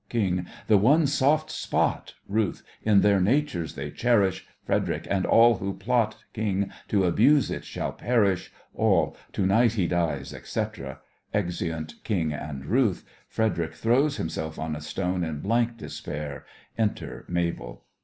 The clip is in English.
KING: The one soft spot RUTH: In their natures they cherish— FREDERIC: And all who plot KING: To abuse it shall perish! ALL: To night he dies, etc. (Exeunt KING and RUTH. FREDERIC throws himself on a stone in blank despair. Enter MABEL.)